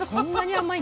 甘い。